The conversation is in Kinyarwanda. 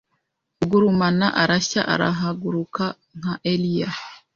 ugurumana arashya arahaguruka nka Eliya